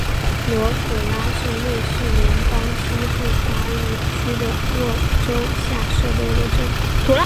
罗普拉是瑞士联邦西部法语区的沃州下设的一个镇。